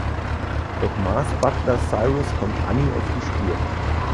Doch Maas' Butler Cyrus kommt Anni auf die Spur.